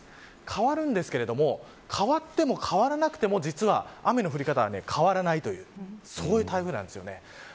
変わるんですけれども変わっても変わらなくても実は雨の降り方は変わらないというそういう台風なんです。